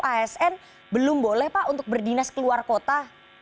asn belum boleh pak untuk berdinas keluar kota